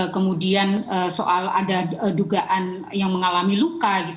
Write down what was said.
kemudian soal ada dugaan yang mengalami luka